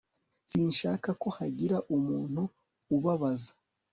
sinshaka ko hagira umuntu ubabaza